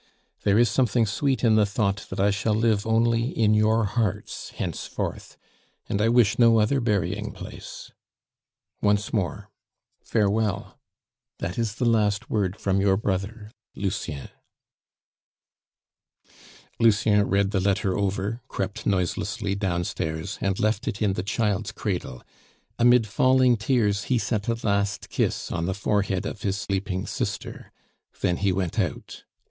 There is something sweet in the thought that I shall live only in your hearts henceforth, and I wish no other burying place. Once more, farewell. ... That is the last word from your brother "LUCIEN." Lucien read the letter over, crept noiselessly down stairs, and left it in the child's cradle; amid falling tears he set a last kiss on the forehead of his sleeping sister; then he went out.